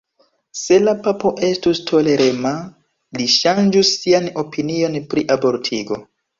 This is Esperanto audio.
Se la papo estus tolerema, li ŝanĝus sian opinion pri abortigo.